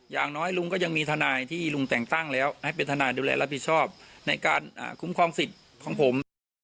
อย่างน้อยลุงก็ยังมีทนายที่ลุงแต่งตั้งแล้วให้เป็นทนายดูแลรับผิดชอบในการคุ้มครองสิทธิ์ของผม